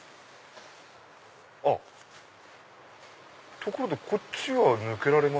あっところでこっちは抜けられますか？